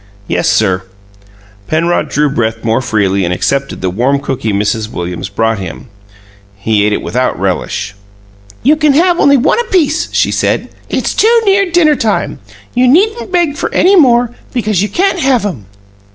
"Yes, sir." Penrod drew breath more freely, and accepted the warm cookie Mrs. Williams brought him. He ate it without relish. "You can have only one apiece," she said. "It's too near dinner time. You needn't beg for any more, because you can't have 'em."